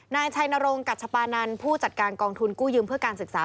นายชัยนรงกัชปานันผู้จัดการกองทุนกู้ยืมเพื่อการศึกษา